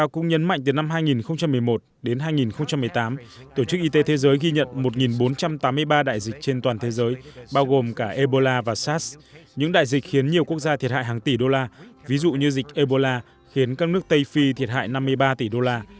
cũng nhấn mạnh từ năm hai nghìn một mươi một đến hai nghìn một mươi tám tổ chức y tế thế giới ghi nhận một bốn trăm tám mươi ba đại dịch trên toàn thế giới bao gồm cả ebola và sars những đại dịch khiến nhiều quốc gia thiệt hại hàng tỷ đô la ví dụ như dịch ebola khiến các nước tây phi thiệt hại năm mươi ba tỷ đô la